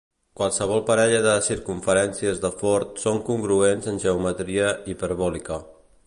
Qualsevol parella de circumferències de Ford són congruents en geometria hiperbòlica.